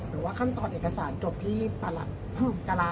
หรือว่าขั้นตอบเอกสารจบที่กระลาฮุคือสิ่งสุดแล้ว